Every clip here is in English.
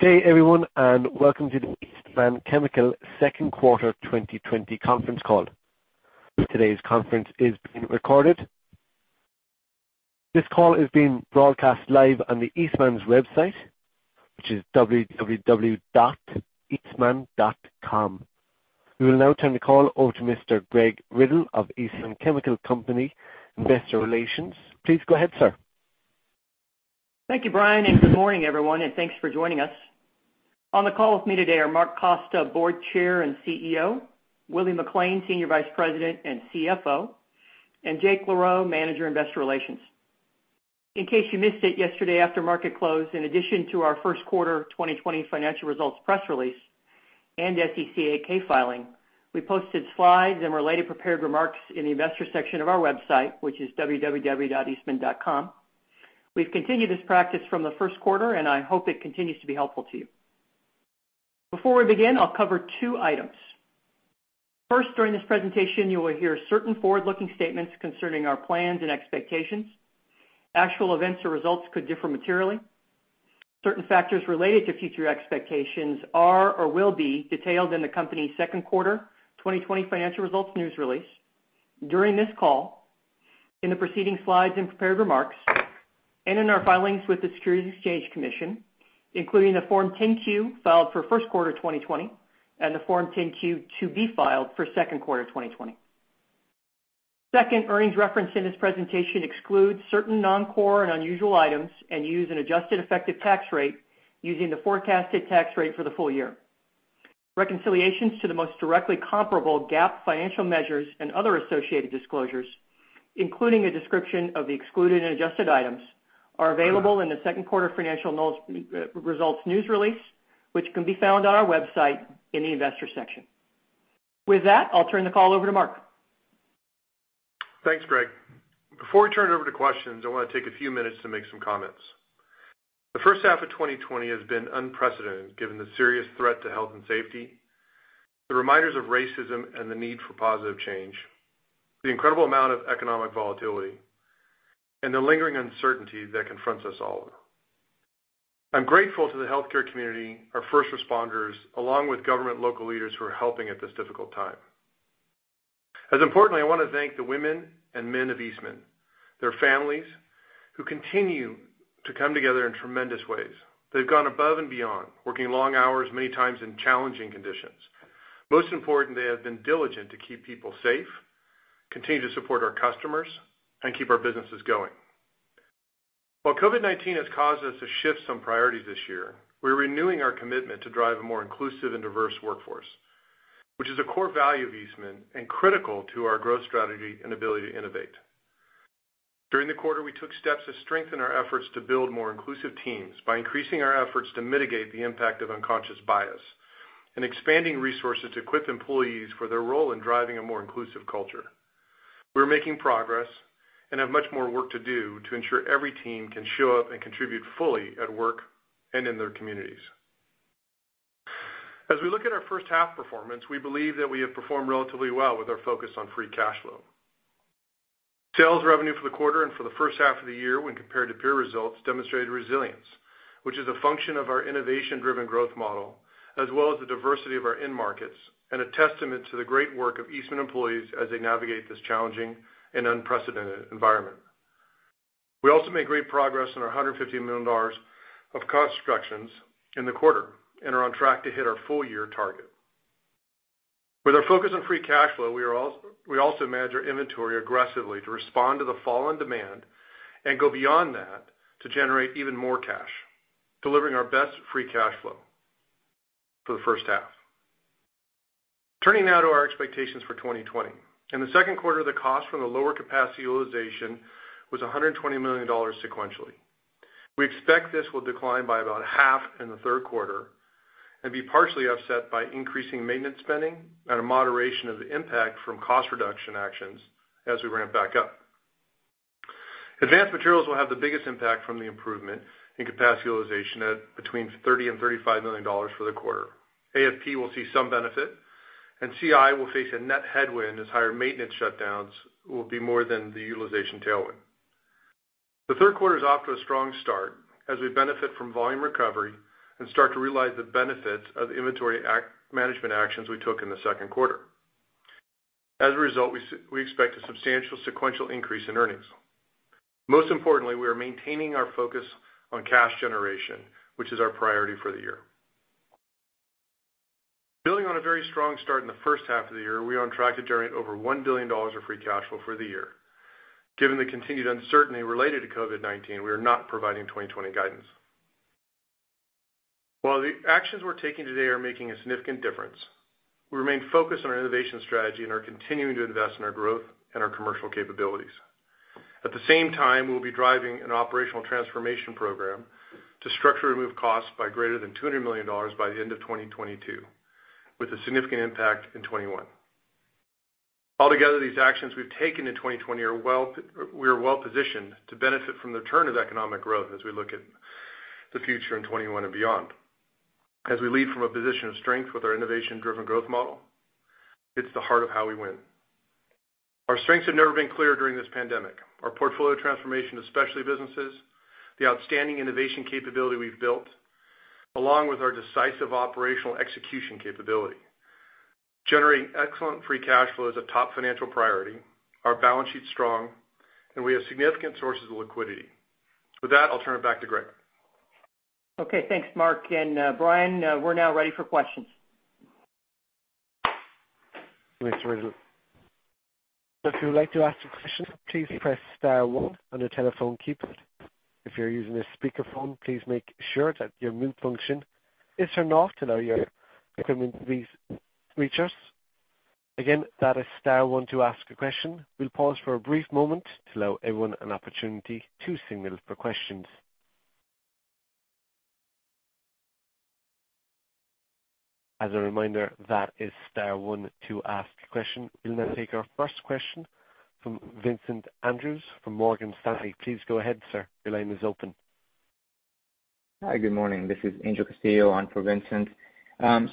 Good day everyone, welcome to the Eastman Chemical second quarter 2020 conference call. Today's conference is being recorded. This call is being broadcast live on the Eastman's website, which is www.eastman.com. We will now turn the call over to Mr. Greg Riddle of Eastman Chemical Company, investor relations. Please go ahead, sir. Thank you, Brian. Good morning everyone, and thanks for joining us. On the call with me today are Mark Costa, Board Chair and CEO, Willie McLain, Senior Vice President and CFO, and Jake LaRoe, Manager Investor Relations. In case you missed it yesterday after market close, in addition to our first quarter 2020 financial results press release and SEC 8-K filing, we posted slides and related prepared remarks in the investor section of our website, which is www.eastman.com. We've continued this practice from the first quarter, and I hope it continues to be helpful to you. Before we begin, I'll cover two items. First, during this presentation, you will hear certain forward-looking statements concerning our plans and expectations. Actual events or results could differ materially. Certain factors related to future expectations are or will be detailed in the company's second quarter 2020 financial results news release, during this call, in the proceeding slides and prepared remarks, and in our filings with the Securities and Exchange Commission, including the Form 10-Q filed for first quarter 2020 and the Form 10-Q to be filed for second quarter 2020. Second, earnings referenced in this presentation exclude certain non-core and unusual items and use an adjusted effective tax rate using the forecasted tax rate for the full year. Reconciliations to the most directly comparable GAAP financial measures and other associated disclosures, including a description of the excluded and adjusted items, are available in the second quarter financial results news release, which can be found on our website in the investor section. With that, I'll turn the call over to Mark. Thanks, Greg. Before we turn it over to questions, I want to take a few minutes to make some comments. The first half of 2020 has been unprecedented, given the serious threat to health and safety, the reminders of racism and the need for positive change, the incredible amount of economic volatility, and the lingering uncertainty that confronts us all. I'm grateful to the healthcare community, our first responders, along with government local leaders who are helping at this difficult time. As importantly, I want to thank the women and men of Eastman, their families, who continue to come together in tremendous ways. They've gone above and beyond, working long hours, many times in challenging conditions. Most important, they have been diligent to keep people safe, continue to support our customers, and keep our businesses going. While COVID-19 has caused us to shift some priorities this year, we're renewing our commitment to drive a more inclusive and diverse workforce, which is a core value of Eastman and critical to our growth strategy and ability to innovate. During the quarter, we took steps to strengthen our efforts to build more inclusive teams by increasing our efforts to mitigate the impact of unconscious bias and expanding resources to equip employees for their role in driving a more inclusive culture. We're making progress and have much more work to do to ensure every team can show up and contribute fully at work and in their communities. As we look at our first half performance, we believe that we have performed relatively well with our focus on free cash flow. Sales revenue for the quarter and for the first half of the year, when compared to peer results, demonstrated resilience, which is a function of our innovation-driven growth model, as well as the diversity of our end markets and a testament to the great work of Eastman employees as they navigate this challenging and unprecedented environment. We also made great progress on our $150 million of cost structures in the quarter and are on track to hit our full-year target. With our focus on free cash flow, we also manage our inventory aggressively to respond to the fall in demand and go beyond that to generate even more cash, delivering our best free cash flow for the first half. Turning now to our expectations for 2020. In the second quarter, the cost from the lower capacity utilization was $120 million sequentially. We expect this will decline by about half in the third quarter and be partially offset by increasing maintenance spending and a moderation of the impact from cost reduction actions as we ramp back up. Advanced Materials will have the biggest impact from the improvement in capacity utilization at $30 million-$35 million for the quarter. AFP will see some benefit, and CI will face a net headwind as higher maintenance shutdowns will be more than the utilization tailwind. The third quarter is off to a strong start as we benefit from volume recovery and start to realize the benefits of the inventory management actions we took in the second quarter. As a result, we expect a substantial sequential increase in earnings. Most importantly, we are maintaining our focus on cash generation, which is our priority for the year. Building on a very strong start in the first half of the year, we are on track to generate over $1 billion of free cash flow for the year. Given the continued uncertainty related to COVID-19, we are not providing 2020 guidance. While the actions we're taking today are making a significant difference, we remain focused on our innovation strategy and are continuing to invest in our growth and our commercial capabilities. At the same time, we will be driving an operational transformation program to structurally remove costs by greater than $200 million by the end of 2022, with a significant impact in 2021. Altogether, these actions we've taken in 2020, we are well-positioned to benefit from the return of economic growth as we look at the future in 2021 and beyond. As we lead from a position of strength with our innovation-driven growth model, it's the heart of how we win. Our strengths have never been clearer during this pandemic. Our portfolio transformation to specialty businesses, the outstanding innovation capability we've built, along with our decisive operational execution capability. Generating excellent free cash flow is a top financial priority. Our balance sheet's strong, and we have significant sources of liquidity. With that, I'll turn it back to Greg. Okay. Thanks, Mark and Brian. We're now ready for questions. Operator. If you would like to ask a question, please press star one on your telephone keypad. If you're using a speakerphone, please make sure that your mute function is turned off to allow your equipment to reach us. Again, that is star one to ask a question. We'll pause for a brief moment to allow everyone an opportunity to signal for questions. As a reminder, that is star one to ask a question. We'll now take our first question from Vincent Andrews from Morgan Stanley. Please go ahead, sir. Your line is open. Hi, good morning. This is Angel Castillo on for Vincent.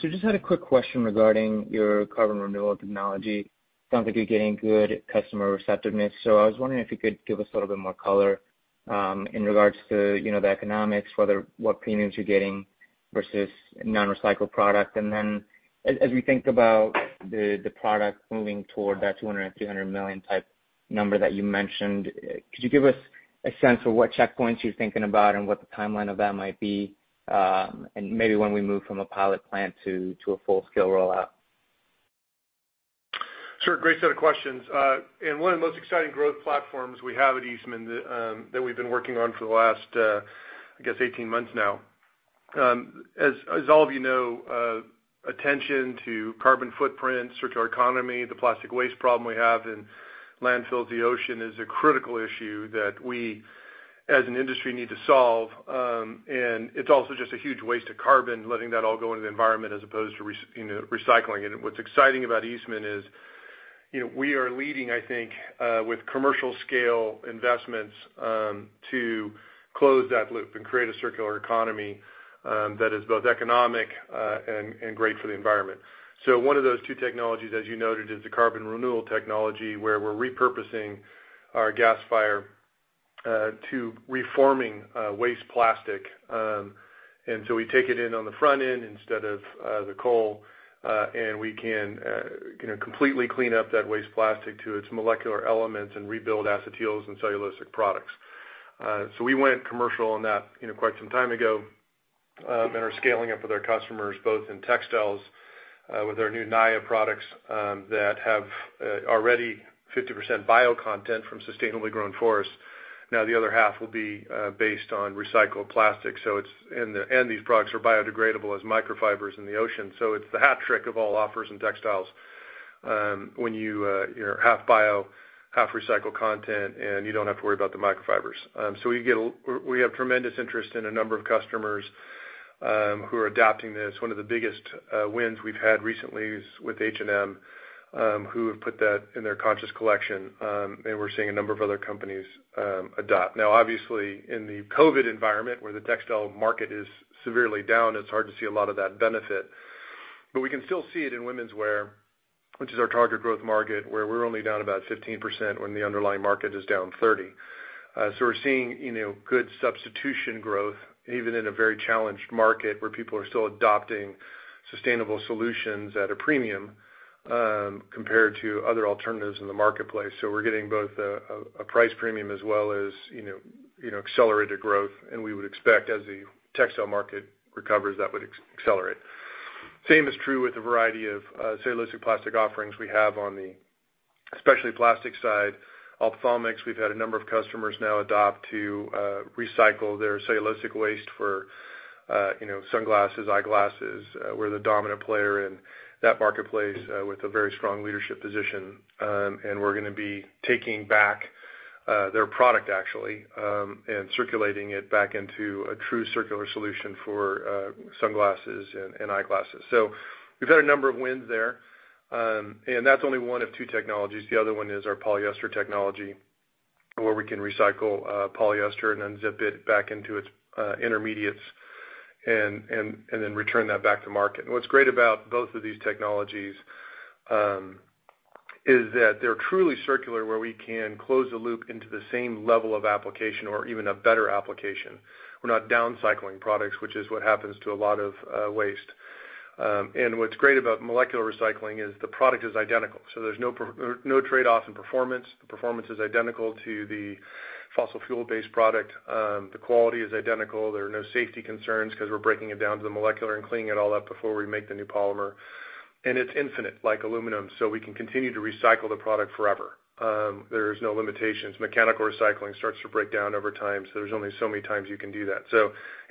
Just had a quick question regarding your carbon renewal technology. Sounds like you're getting good customer receptiveness. I was wondering if you could give us a little bit more color, in regards to the economics, what premiums you're getting versus non-recycled product? As we think about the product moving toward that $200 million-$300 million type number that you mentioned, could you give us a sense for what checkpoints you're thinking about and what the timeline of that might be? Maybe when we move from a pilot plant to a full-scale rollout? Sure. Great set of questions. One of the most exciting growth platforms we have at Eastman that we've been working on for the last, I guess, 18 months now. As all of you know, attention to carbon footprint, circular economy, the plastic waste problem we have in landfills, the ocean, is a critical issue that we, as an industry, need to solve. It's also just a huge waste of carbon letting that all go into the environment as opposed to recycling it. What's exciting about Eastman is we are leading, I think, with commercial scale investments, to close that loop and create a circular economy that is both economic, and great for the environment. One of those two technologies, as you noted, is the carbon renewal technology, where we're repurposing our gas fire to reforming waste plastic. We take it in on the front end instead of the coal, and we can completely clean up that waste plastic to its molecular elements and rebuild acetyls and cellulosic products. We went commercial on that quite some time ago, and are scaling it with our customers, both in textiles with our new Naia products that have already 50% bio content from sustainably grown forests. Now the other half will be based on recycled plastic. These products are biodegradable as microfibers in the ocean. It's the hat trick of all offers in textiles, when you're half bio, half recycled content, and you don't have to worry about the microfibers. We have tremendous interest in a number of customers who are adopting this. One of the biggest wins we've had recently is with H&M, who have put that in their Conscious Collection. We're seeing a number of other companies adopt. Obviously in the COVID-19 environment, where the textile market is severely down, it's hard to see a lot of that benefit. We can still see it in womenswear, which is our target growth market, where we're only down about 15% when the underlying market is down 30%. We're seeing good substitution growth, even in a very challenged market where people are still adopting sustainable solutions at a premium, compared to other alternatives in the marketplace. We're getting both a price premium as well as accelerated growth, and we would expect as the textile market recovers, that would accelerate. Same is true with a variety of cellulosic plastic offerings we have on the specialty plastics side. Ophthalmic, we've had a number of customers now adopt to recycle their cellulosic waste for sunglasses, eyeglasses. We're the dominant player in that marketplace with a very strong leadership position. We're going to be taking back their product actually, circulating it back into a true circular solution for sunglasses and eyeglasses. We've had a number of wins there. That's only one of two technologies. The other one is our polyester technology, where we can recycle polyester and then zip it back into its intermediates and then return that back to market. What's great about both of these technologies is that they're truly circular, where we can close the loop into the same level of application or even a better application. We're not downcycling products, which is what happens to a lot of waste. What's great about molecular recycling is the product is identical, so there's no trade-offs in performance. The performance is identical to the fossil fuel-based product. The quality is identical. There are no safety concerns because we're breaking it down to the molecular and cleaning it all up before we make the new polymer. It's infinite, like aluminum, we can continue to recycle the product forever. There's no limitations. Mechanical recycling starts to break down over time, there's only so many times you can do that.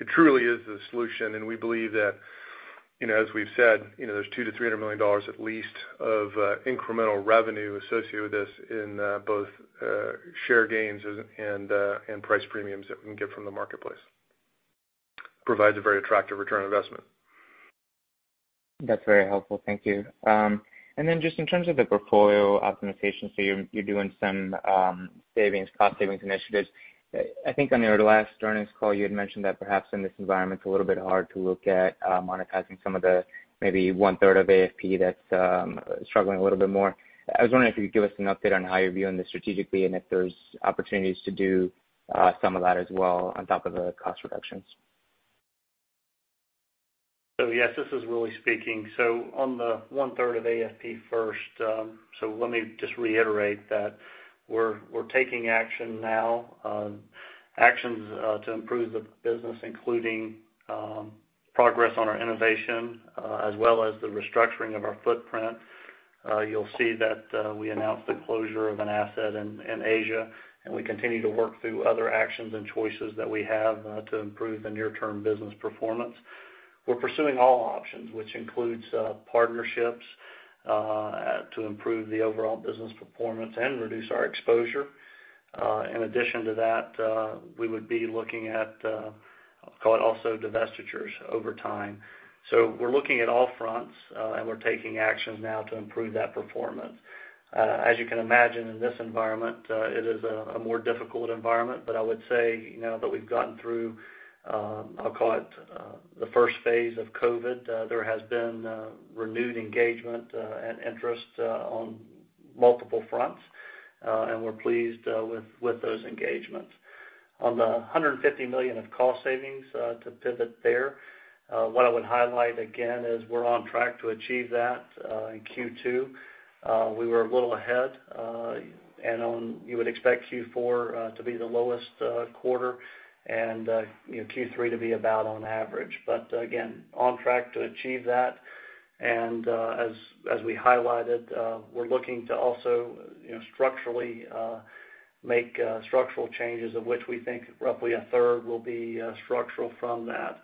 It truly is the solution, we believe that, as we've said, there's $200 million-$300 million at least of incremental revenue associated with this in both share gains and price premiums that we can get from the marketplace. Provides a very attractive return on investment. That's very helpful. Thank you. Just in terms of the portfolio optimization, you're doing some cost savings initiatives. I think on your last earnings call, you had mentioned that perhaps in this environment, it's a little bit hard to look at monetizing some of the maybe one-third of AFP that's struggling a little bit more. I was wondering if you could give us an update on how you're viewing this strategically, if there's opportunities to do some of that as well on top of the cost reductions. Yes, this is Willie speaking. On the 1/3 of AFP first, let me just reiterate that we're taking action now, actions to improve the business, including progress on our innovation, as well as the restructuring of our footprint. You'll see that we announced the closure of an asset in Asia, and we continue to work through other actions and choices that we have to improve the near-term business performance. We're pursuing all options, which includes partnerships to improve the overall business performance and reduce our exposure. In addition to that, we would be looking at, I'll call it also divestitures over time. We're looking at all fronts, and we're taking actions now to improve that performance. As you can imagine, in this environment, it is a more difficult environment. I would say now that we've gotten through, I'll call it the first phase of COVID, there has been renewed engagement and interest on multiple fronts. We're pleased with those engagements. On the $150 million of cost savings to pivot there, what I would highlight again is we're on track to achieve that in Q2. We were a little ahead, and you would expect Q4 to be the lowest quarter and Q3 to be about on average. Again, on track to achieve that. As we highlighted, we're looking to also structurally make structural changes of which we think roughly a third will be structural from that.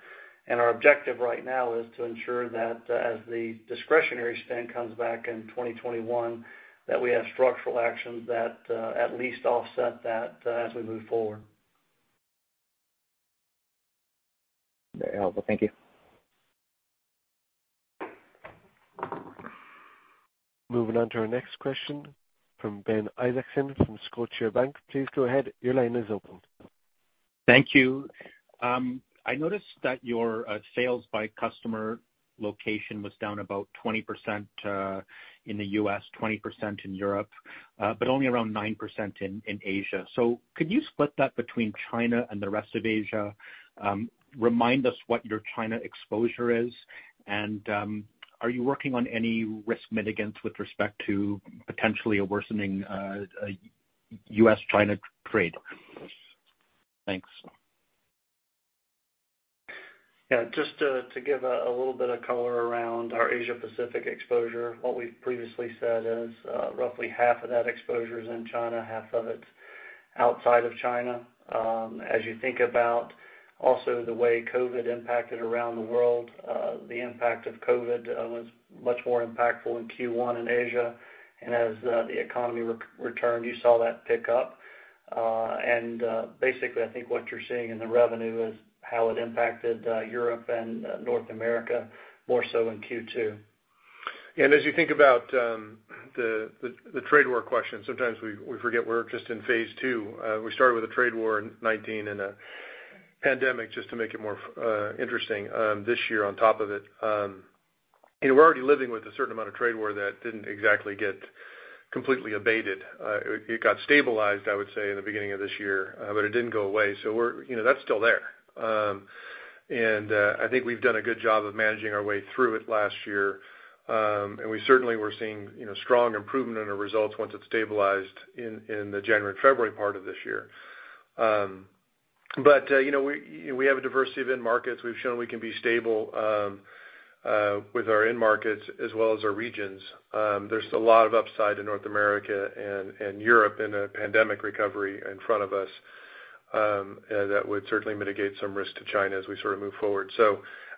Our objective right now is to ensure that as the discretionary spend comes back in 2021, that we have structural actions that at least offset that as we move forward. Very helpful. Thank you. Moving on to our next question from Ben Isaacson from Scotiabank. Please go ahead. Your line is open. Thank you. I noticed that your sales by customer location was down about 20% in the U.S., 20% in Europe, but only around 9% in Asia. Could you split that between China and the rest of Asia? Remind us what your China exposure is, and are you working on any risk mitigants with respect to potentially a worsening U.S.-China trade? Thanks. Yeah, just to give a little bit of color around our Asia Pacific exposure. What we've previously said is roughly half of that exposure is in China, half of it outside of China. As you think about also the way COVID impacted around the world, the impact of COVID was much more impactful in Q1 in Asia. As the economy returned, you saw that pick up. Basically, I think what you're seeing in the revenue is how it impacted Europe and North America more so in Q2. As you think about the trade war question, sometimes we forget we're just in phase two. We started with a trade war in 2019 and a pandemic just to make it more interesting this year on top of it. We're already living with a certain amount of trade war that didn't exactly get completely abated. It got stabilized, I would say, in the beginning of this year, but it didn't go away. That's still there. I think we've done a good job of managing our way through it last year. We certainly were seeing strong improvement in our results once it stabilized in the January, February part of this year. We have a diversity of end markets. We've shown we can be stable with our end markets as well as our regions. There's a lot of upside to North America and Europe in a pandemic recovery in front of us that would certainly mitigate some risk to China as we sort of move forward.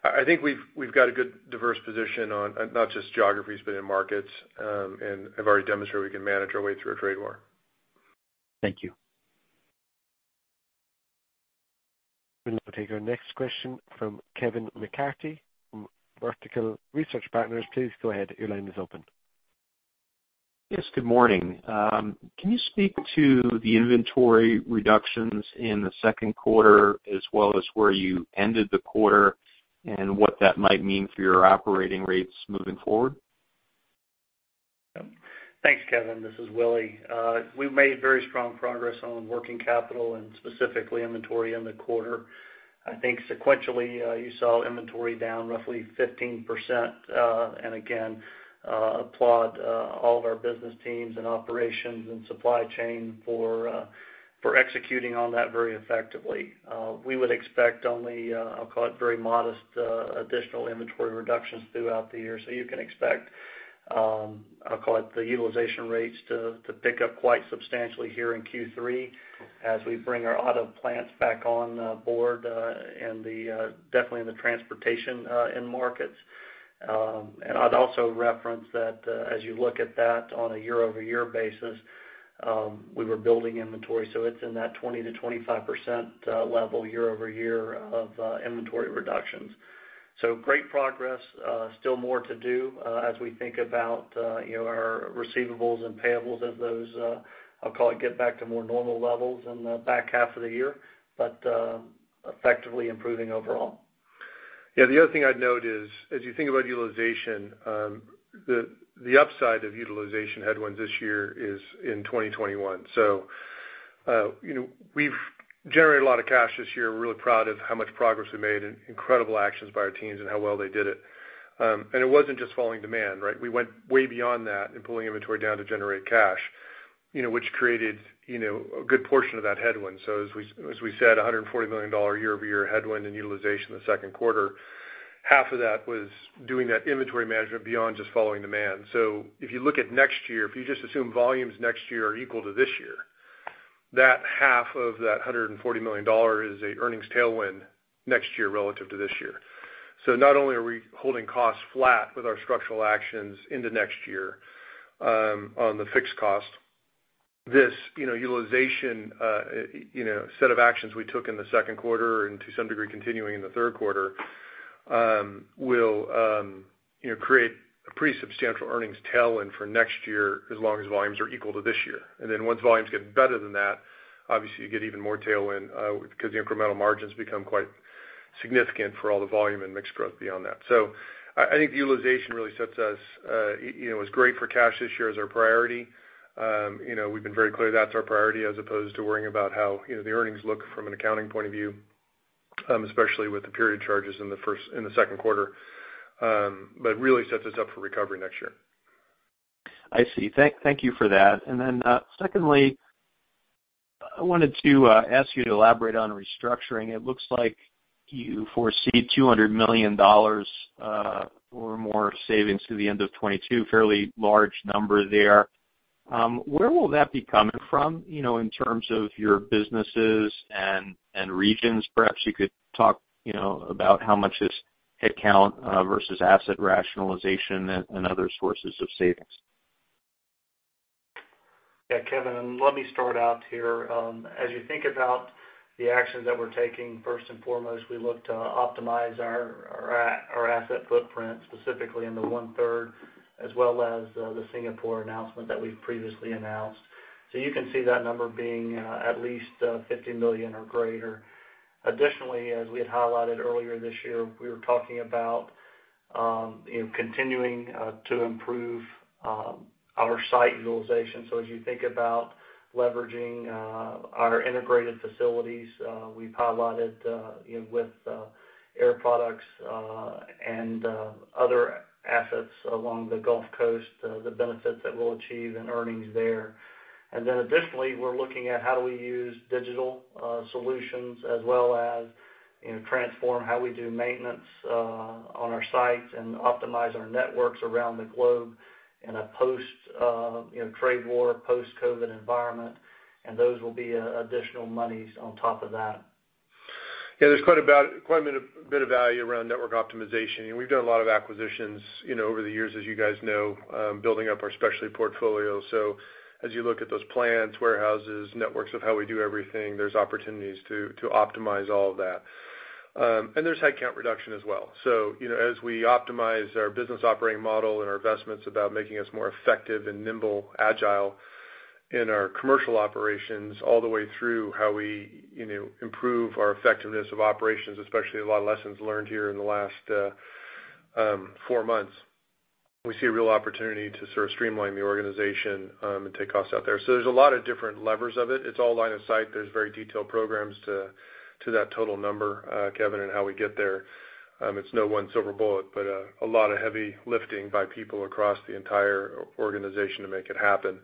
I think we've got a good diverse position on not just geographies, but in markets, and have already demonstrated we can manage our way through a trade war. Thank you. We'll now take our next question from Kevin McCarthy from Vertical Research Partners. Please go ahead. Your line is open. Yes, good morning. Can you speak to the inventory reductions in the second quarter as well as where you ended the quarter and what that might mean for your operating rates moving forward? Thanks, Kevin. This is Willie. We've made very strong progress on working capital and specifically inventory in the quarter. I think sequentially, you saw inventory down roughly 15%, and again, applaud all of our business teams and operations and supply chain for executing on that very effectively. We would expect only, I'll call it very modest additional inventory reductions throughout the year. You can expect, I'll call it the utilization rates to pick up quite substantially here in Q3 as we bring our auto plants back on board and definitely in the transportation end markets. I'd also reference that as you look at that on a year-over-year basis. We were building inventory, so it's in that 20%-25% level year-over-year of inventory reductions. Great progress. Still more to do as we think about our receivables and payables as those, I'll call it, get back to more normal levels in the back half of the year, but effectively improving overall. Yeah. The other thing I'd note is as you think about utilization, the upside of utilization headwinds this year is in 2021. We've generated a lot of cash this year. We're really proud of how much progress we made and incredible actions by our teams and how well they did it. It wasn't just following demand, right? We went way beyond that in pulling inventory down to generate cash, which created a good portion of that headwind. As we said, $140 million year-over-year headwind in utilization in the second quarter. Half of that was doing that inventory management beyond just following demand. If you look at next year, if you just assume volumes next year are equal to this year, that half of that $140 million is a earnings tailwind next year relative to this year. Not only are we holding costs flat with our structural actions into next year on the fixed cost, this utilization set of actions we took in the second quarter, and to some degree continuing in the third quarter, will create a pretty substantial earnings tailwind for next year as long as volumes are equal to this year. Once volumes get better than that, obviously you get even more tailwind, because the incremental margins become quite significant for all the volume and mixed growth beyond that. I think utilization really sets us. It was great for cash this year as our priority. We've been very clear that's our priority as opposed to worrying about how the earnings look from an accounting point of view, especially with the period charges in the second quarter, but really sets us up for recovery next year. I see. Thank you for that. Secondly, I wanted to ask you to elaborate on restructuring. It looks like you foresee $200 million or more savings through the end of 2022, fairly large number there. Where will that be coming from, in terms of your businesses and regions? Perhaps you could talk about how much is headcount versus asset rationalization and other sources of savings. Yeah, Kevin, let me start out here. As you think about the actions that we're taking, first and foremost, we look to optimize our asset footprint, specifically in the one-third as well as the Singapore announcement that we've previously announced. You can see that number being at least $50 million or greater. Additionally, as we had highlighted earlier this year, we were talking about continuing to improve our site utilization. As you think about leveraging our integrated facilities, we've highlighted with Air Products and other assets along the Gulf Coast, the benefits that we'll achieve in earnings there. Additionally, we're looking at how do we use digital solutions as well as transform how we do maintenance on our sites and optimize our networks around the globe in a post trade war, post-COVID environment, and those will be additional monies on top of that. Yeah, there's quite a bit of value around network optimization, and we've done a lot of acquisitions over the years, as you guys know, building up our specialty portfolio. As you look at those plants, warehouses, networks of how we do everything, there's opportunities to optimize all of that. There's headcount reduction as well. As we optimize our business operating model and our investments about making us more effective and nimble, agile in our commercial operations all the way through how we improve our effectiveness of operations, especially a lot of lessons learned here in the last four months. We see a real opportunity to sort of streamline the organization and take costs out there. There's a lot of different levers of it. It's all line of sight. There's very detailed programs to that total number, Kevin, and how we get there. It's no one silver bullet, but a lot of heavy lifting by people across the entire organization to make it happen.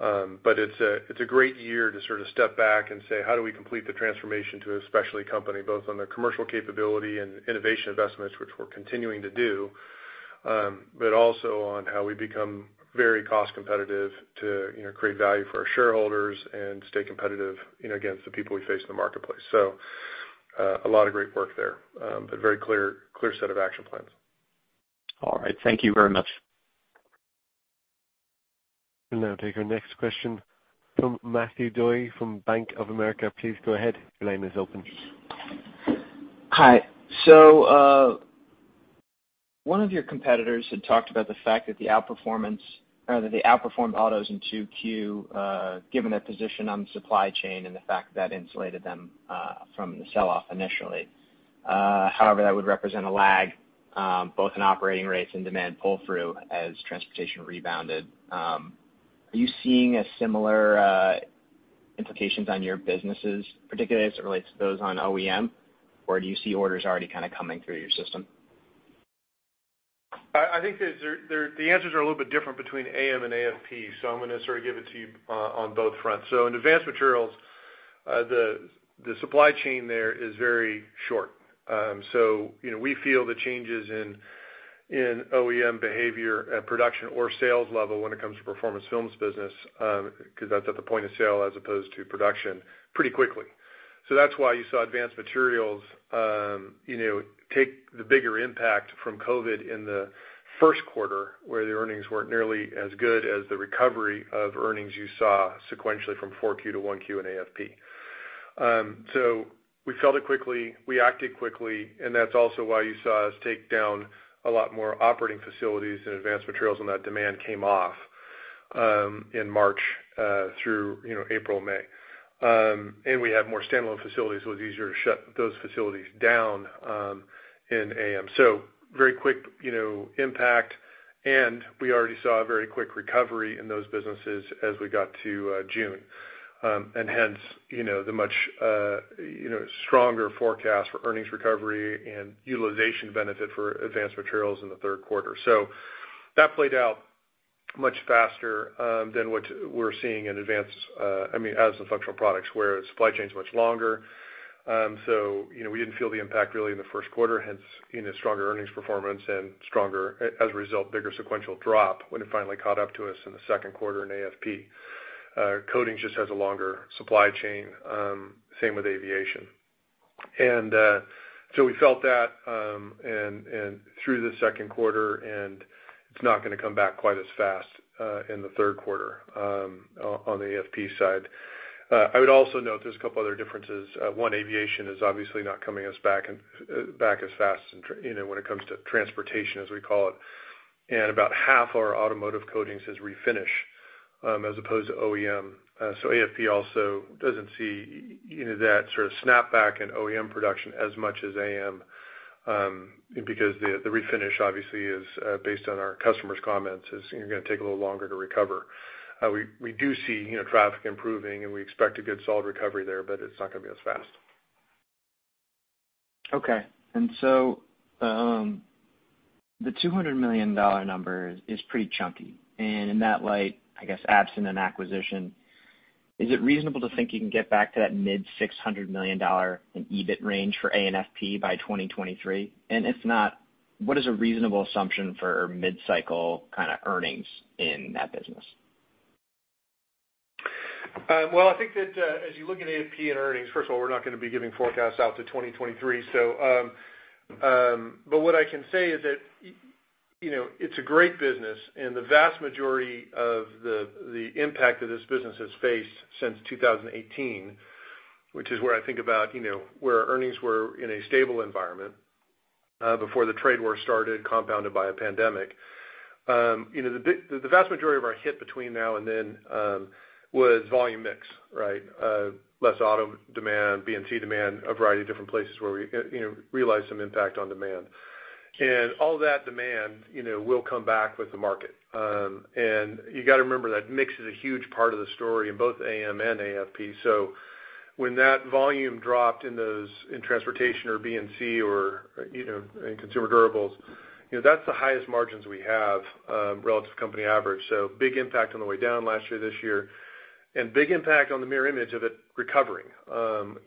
It's a great year to sort of step back and say, how do we complete the transformation to a specialty company, both on the commercial capability and innovation investments, which we're continuing to do, but also on how we become very cost competitive to create value for our shareholders and stay competitive against the people we face in the marketplace. A lot of great work there. Very clear set of action plans. All right. Thank you very much. We'll now take our next question from Matthew DeYoe from Bank of America. Please go ahead. Your line is open. Hi. One of your competitors had talked about the fact that they outperformed autos in 2Q, given their position on the supply chain and the fact that that insulated them from the sell-off initially. However, that would represent a lag both in operating rates and demand pull-through as transportation rebounded. Are you seeing similar implications on your businesses, particularly as it relates to those on OEM, or do you see orders already kind of coming through your system? I think the answers are a little bit different between AM and AFP, so I'm going to sort of give it to you on both fronts. In Advanced Materials, the supply chain there is very short. We feel the changes in OEM behavior at production or sales level when it comes to Performance Films business, because that's at the point of sale as opposed to production, pretty quickly. That's why you saw Advanced Materials take the bigger impact from COVID-19 in the first quarter, where the earnings weren't nearly as good as the recovery of earnings you saw sequentially from 4Q to 1Q in AFP. We felt it quickly. We acted quickly, and that's also why you saw us take down a lot more operating facilities in Advanced Materials when that demand came off in March through April, May. We have more standalone facilities, so it's easier to shut those facilities down in AM. Very quick impact, and we already saw a very quick recovery in those businesses as we got to June. Hence, the much stronger forecast for earnings recovery and utilization benefit for Advanced Materials in the third quarter. That played out much faster than what we're seeing in Functional Products, where supply chain's much longer. We didn't feel the impact really in the first quarter, hence stronger earnings performance and stronger, as a result, bigger sequential drop when it finally caught up to us in the second quarter in AFP. Coatings just has a longer supply chain. Same with aviation. We felt that through the second quarter, it's not going to come back quite as fast in the third quarter on the AFP side. I would also note there's a couple other differences. One, aviation is obviously not coming as back as fast when it comes to transportation, as we call it. About half our automotive coatings is refinish as opposed to OEM. AFP also doesn't see that sort of snap back in OEM production as much as AM because the refinish, obviously, is based on our customers' comments, is going to take a little longer to recover. We do see traffic improving, and we expect a good, solid recovery there, but it's not going to be as fast. Okay. The $200 million number is pretty chunky. In that light, I guess absent an acquisition, is it reasonable to think you can get back to that mid $600 million in EBIT range for AFP by 2023? If not, what is a reasonable assumption for mid-cycle kind of earnings in that business? Well, I think that as you look at AFP and earnings, first of all, we're not going to be giving forecasts out to 2023. What I can say is that it's a great business, and the vast majority of the impact that this business has faced since 2018, which is where I think about where earnings were in a stable environment before the trade war started, compounded by a pandemic. The vast majority of our hit between now and then was volume mix, right? Less auto demand, B&C demand, a variety of different places where we realized some impact on demand. All that demand will come back with the market. You got to remember that mix is a huge part of the story in both AM and AFP. When that volume dropped in transportation or B&C or in consumer durables, that's the highest margins we have relative to company average. Big impact on the way down last year, this year, and big impact on the mirror image of it recovering.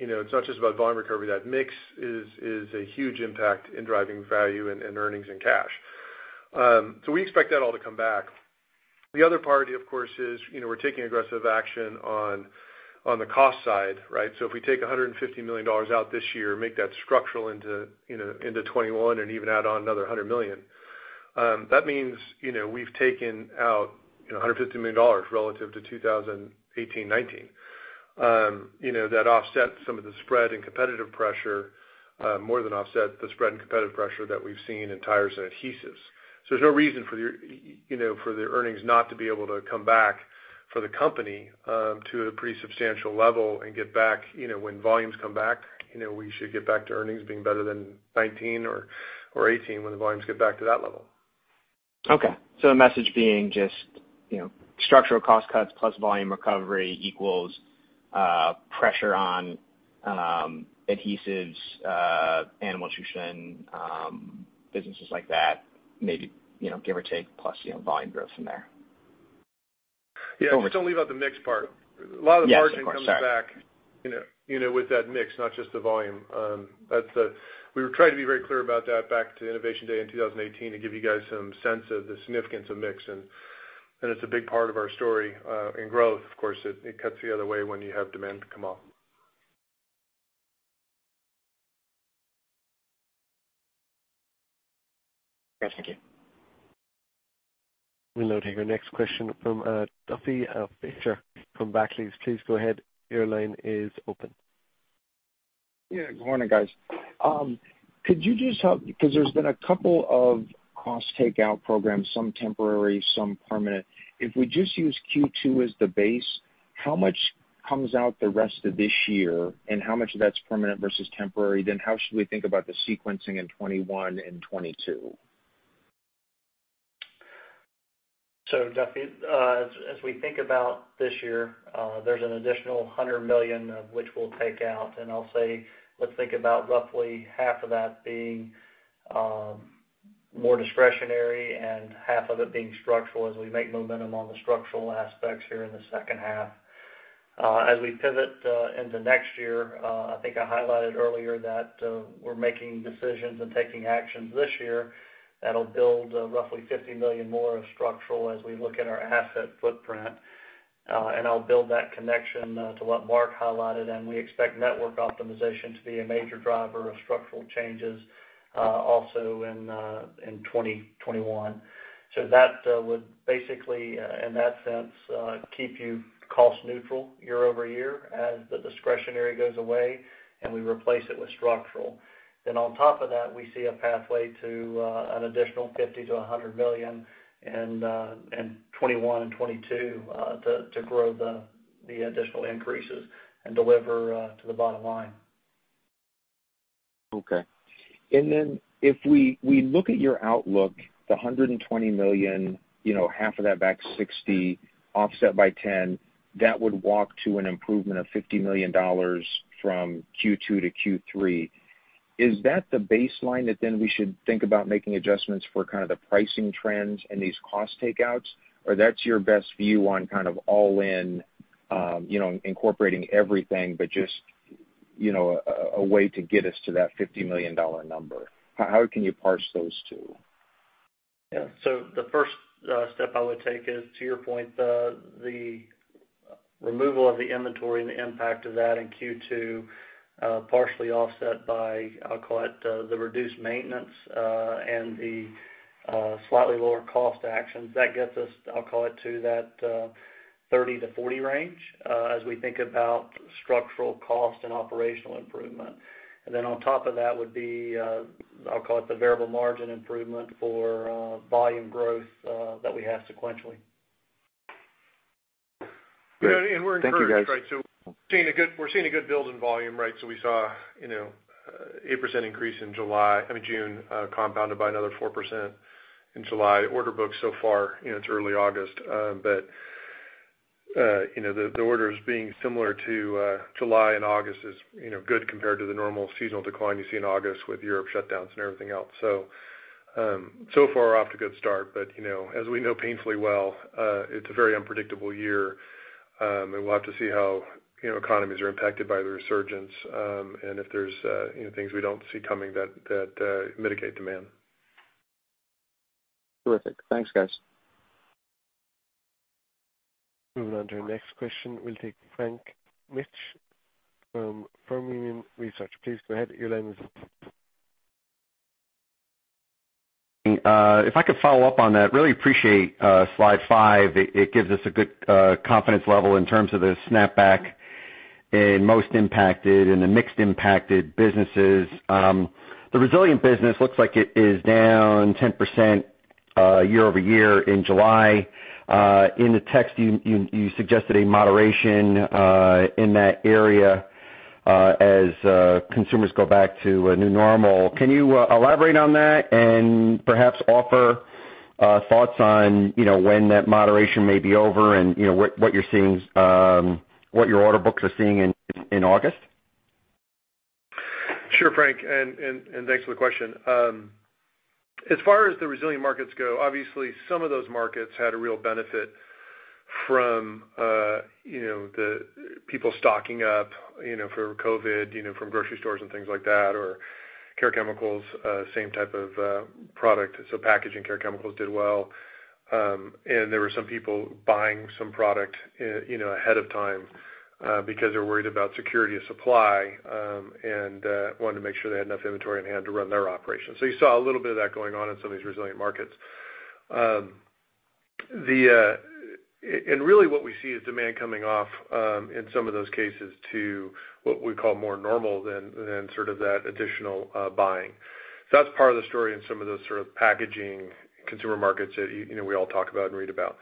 It's not just about volume recovery. That mix is a huge impact in driving value and earnings and cash. We expect that all to come back. The other part, of course, is we're taking aggressive action on the cost side, right? If we take $150 million out this year, make that structural into 2021, and even add on another $100 million, that means we've taken out $150 million relative to 2018, 2019. That offset some of the spread and competitive pressure, more than offset the spread and competitive pressure that we've seen in tires and adhesives. There's no reason for the earnings not to be able to come back for the company to a pretty substantial level and get back when volumes come back. We should get back to earnings being better than 2019 or 2018 when the volumes get back to that level. Okay, the message being just structural cost cuts plus volume recovery equals pressure on adhesives, animal nutrition, businesses like that, maybe give or take, plus volume growth from there. Yeah, just don't leave out the mix part. Yes, of course. Sorry. A lot of the margin comes back with that mix, not just the volume. We were trying to be very clear about that back to Innovation Day in 2018 to give you guys some sense of the significance of mix. It's a big part of our story. In growth, of course, it cuts the other way when you have demand come off. Yes, thank you. We'll now take our next question from Duffy Fischer from Barclays. Please go ahead. Your line is open. Yeah, good morning, guys. Because there's been a couple of cost takeout programs, some temporary, some permanent. If we just use Q2 as the base, how much comes out the rest of this year, and how much of that's permanent versus temporary? How should we think about the sequencing in 2021 and 2022? Duffy, as we think about this year, there's an additional $100 million, of which we'll take out, and I'll say let's think about roughly half of that being more discretionary and half of it being structural as we make momentum on the structural aspects here in the second half. We pivot into next year, I think I highlighted earlier that we're making decisions and taking actions this year that'll build roughly $50 million more of structural as we look at our asset footprint. I'll build that connection to what Mark highlighted, and we expect network optimization to be a major driver of structural changes also in 2021. That would basically, in that sense, keep you cost neutral year-over-year as the discretionary goes away, and we replace it with structural. On top of that, we see a pathway to an additional $50 million-$100 million in 2021 and 2022 to grow the additional increases and deliver to the bottom line. Okay. If we look at your outlook, the $120 million, half of that back 60 offset by 10, that would walk to an improvement of $50 million from Q2 to Q3. Is that the baseline that we should think about making adjustments for kind of the pricing trends and these cost takeouts? That's your best view on kind of all in, incorporating everything but just, a way to get us to that $50 million number? How can you parse those two? The first step I would take is, to your point, the removal of the inventory and the impact of that in Q2, partially offset by, I'll call it, the reduced maintenance, and the slightly lower cost actions. That gets us, I'll call it, to that 30-40 range, as we think about structural cost and operational improvement. On top of that would be, I'll call it, the variable margin improvement for volume growth that we have sequentially. Great. Thank you, guys. We're encouraged, right? We're seeing a good build in volume, right? We saw 8% increase in July, I mean, June, compounded by another 4% in July. Order book so far, it's early August, but the orders being similar to July and August is good compared to the normal seasonal decline you see in August with Europe shutdowns and everything else. Far off to a good start, but as we know painfully well, it's a very unpredictable year. We'll have to see how economies are impacted by the resurgence, and if there's things we don't see coming that mitigate demand. Terrific. Thanks, guys. Moving on to our next question. We'll take Frank Mitsch from Fermium Research. Please go ahead. Your line is open. If I could follow up on that, really appreciate slide five. It gives us a good confidence level in terms of the snap back in most impacted and the mixed impacted businesses. The resilient business looks like it is down 10% year-over-year in July. In the text, you suggested a moderation in that area as consumers go back to a new normal. Can you elaborate on that and perhaps offer thoughts on when that moderation may be over and what your order books are seeing in August? Sure, Frank. Thanks for the question. As far as the resilient markets go, obviously some of those markets had a real benefit from the people stocking up for COVID from grocery stores and things like that, or care chemicals, same type of product. Packaging care chemicals did well. There were some people buying some product ahead of time because they're worried about security of supply, and wanted to make sure they had enough inventory on hand to run their operations. You saw a little bit of that going on in some of these resilient markets. Really what we see is demand coming off, in some of those cases, to what we call more normal than sort of that additional buying. That's part of the story in some of those sort of packaging consumer markets that we all talk about and read about.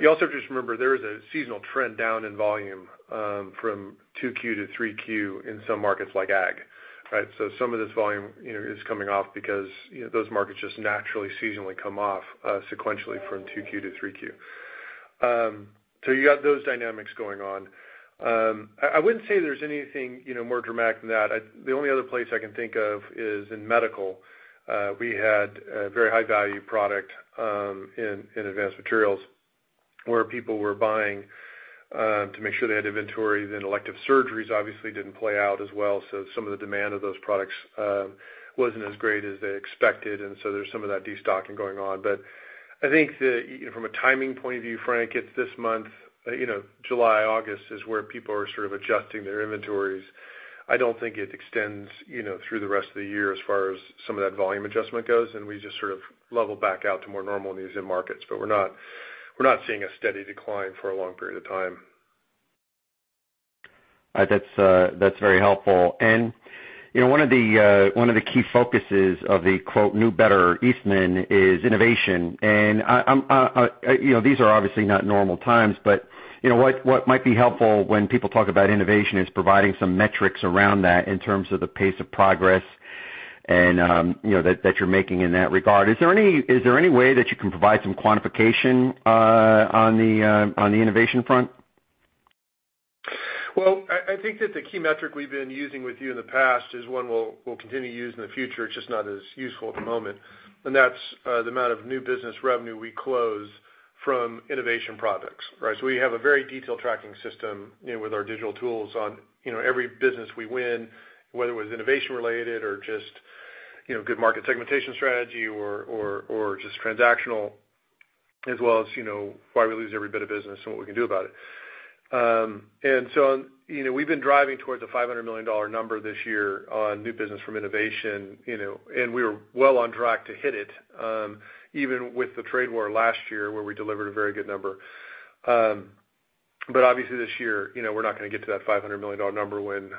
You also just remember, there is a seasonal trend down in volume from Q2 to Q3 in some markets like ag, right? Some of this volume is coming off because those markets just naturally seasonally come off sequentially from Q2 to Q3. You got those dynamics going on. I wouldn't say there's anything more dramatic than that. The only other place I can think of is in medical. We had a very high-value product in Advanced Materials where people were buying to make sure they had inventory. Elective surgeries obviously didn't play out as well, so some of the demand of those products wasn't as great as they expected, and so there's some of that de-stocking going on. I think that from a timing point of view, Frank, it's this month. July, August is where people are sort of adjusting their inventories. I don't think it extends through the rest of the year as far as some of that volume adjustment goes, and we just sort of level back out to more normal in these end markets. We're not seeing a steady decline for a long period of time. That's very helpful. One of the key focuses of the quote, new, better Eastman is innovation. These are obviously not normal times, but what might be helpful when people talk about innovation is providing some metrics around that in terms of the pace of progress that you're making in that regard. Is there any way that you can provide some quantification on the innovation front? Well, I think that the key metric we've been using with you in the past is one we'll continue to use in the future. It's just not as useful at the moment. That's the amount of new business revenue we close from innovation products, right? We have a very detailed tracking system with our digital tools on every business we win, whether it was innovation related or just good market segmentation strategy or just transactional, as well as why we lose every bit of business and what we can do about it. We've been driving towards a $500 million number this year on new business from innovation, and we were well on track to hit it, even with the trade war last year, where we delivered a very good number. Obviously this year, we're not going to get to that $500 million number when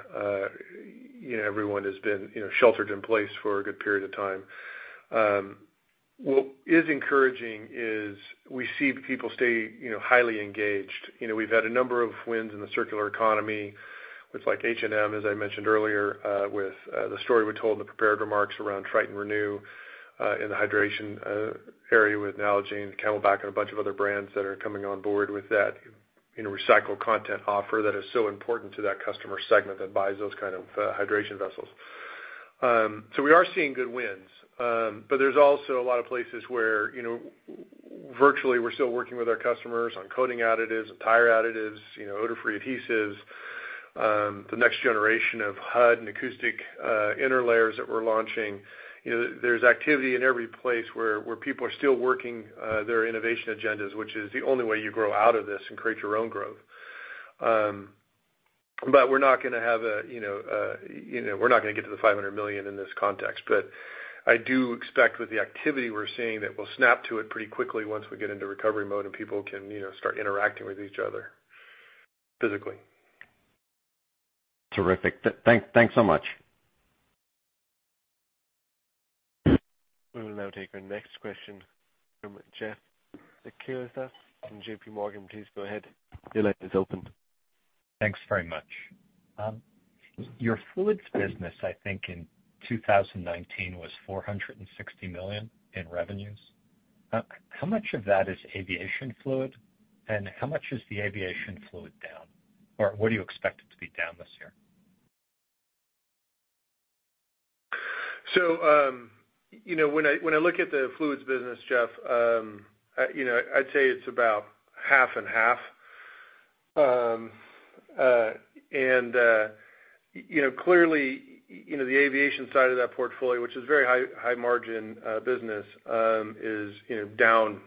everyone has been sheltered in place for a good period of time. What is encouraging is we see people stay highly engaged. We've had a number of wins in the circular economy with H&M, as I mentioned earlier, with the story we told in the prepared remarks around Tritan Renew, in the hydration area with Nalgene, CamelBak, and a bunch of other brands that are coming on board with that recycled content offer that is so important to that customer segment that buys those kind of hydration vessels. There's also a lot of places where virtually, we're still working with our customers on coating additives and tire additives, odor-free adhesives, the next generation of HUD and acoustic interlayers that we're launching. There's activity in every place where people are still working their innovation agendas, which is the only way you grow out of this and create your own growth. We're not going to get to the $500 million in this context, but I do expect with the activity we're seeing, that we'll snap to it pretty quickly once we get into recovery mode and people can start interacting with each other physically. Terrific. Thanks so much. We will now take our next question from Jeffrey Zekauskas from JPMorgan. Please go ahead. Your line is open. Thanks very much. Your fluids business, I think in 2019 was $460 million in revenues. How much of that is aviation fluid, and how much is the aviation fluid down? What do you expect it to be down this year? When I look at the fluids business, Jeff, I'd say it's about half and half. Clearly, the aviation side of that portfolio, which is a very high margin business, is down